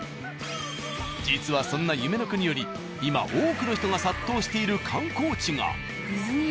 実はそんな夢の国より今多くの人が殺到している観光地が。